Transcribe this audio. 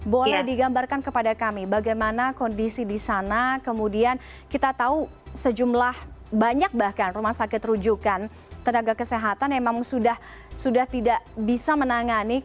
boleh digambarkan kepada kami bagaimana kondisi di sana kemudian kita tahu sejumlah banyak bahkan rumah sakit rujukan tenaga kesehatan yang memang sudah tidak bisa menangani